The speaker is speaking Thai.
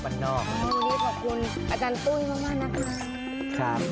วันนี้ขอบคุณอาจารย์ตุ้ยมากนะคะ